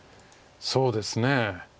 そうですね。